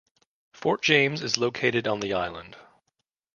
Fort James is located on the island.